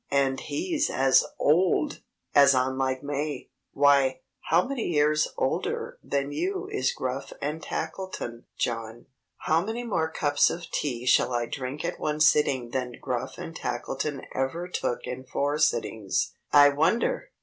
"And he's as old! As unlike May! Why, how many years older than you is Gruff and Tackleton, John?" "How many more cups of tea shall I drink at one sitting than Gruff and Tackleton ever took in four sittings, I wonder!"